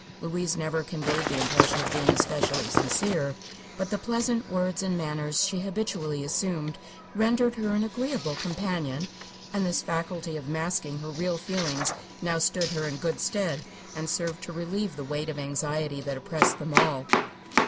Louise never conveyed the impression of being especially sincere, but the pleasant words and manners she habitually assumed rendered her an agreeable companion, and this faculty of masking her real feelings now stood her in good stead and served to relieve the weight of anxiety that oppressed them all.